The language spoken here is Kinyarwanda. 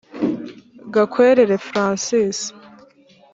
Gakwerere francis